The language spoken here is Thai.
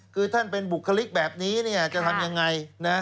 คือท่านเป็นบุคลิกแบบนี้จะทำยังไงนะ